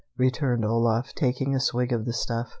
_" returned Olaf, taking a swig of the stuff.